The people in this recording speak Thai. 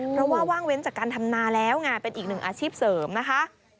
เพราะว่าว่างเว้นจากการทำนาแล้วไงเป็นอีกหนึ่งอาชีพเสริมนะคะ